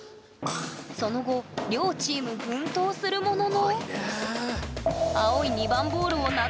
その後両チーム奮闘するもののあっ！